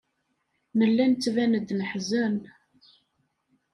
Nella nettban-d neḥzen.